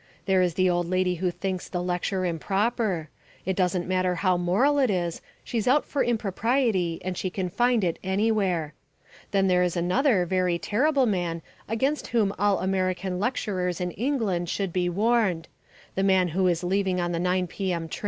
There is the old lady who thinks the lecture improper; it doesn't matter how moral it is, she's out for impropriety and she can find it anywhere. Then there is another very terrible man against whom all American lecturers in England should be warned the man who is leaving on the 9 P.M.